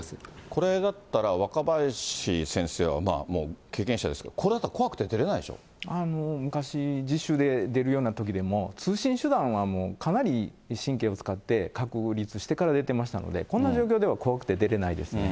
これだったら、若林先生はもう経験者ですが、これだったら怖昔、実習で出るようなときでも、通信手段はもう、かなり神経を使って確立してから出てましたので、こんな状況では怖くて出れないです。